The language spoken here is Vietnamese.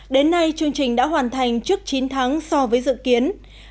đến nay chương trình đã hoàn thành trước chín tháng so với dự kiến